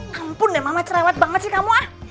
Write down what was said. kampun deh mama cerewet banget sih kamu ah